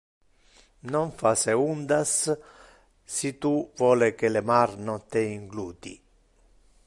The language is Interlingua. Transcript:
Non face undas, si tu vole que le mar non te ingluti.